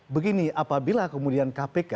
begini apabila kemudian kpk